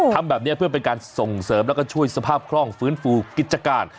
ทำแบบนี้เพื่อเป็นการส่งเสริมแล้วก็ช่วยสภาพคล่องฟื้นฟูกิจการ